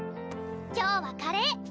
今日はカレー！